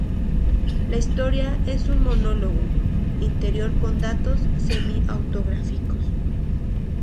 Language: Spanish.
La historia es un monólogo interior con datos semi-autográficos.